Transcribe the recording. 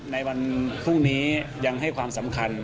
ในวันพรุ่งนี้ยังให้ความสำคัญ